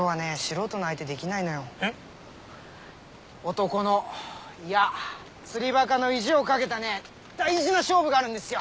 男のいや釣りバカの意地を懸けたね大事な勝負があるんですよ。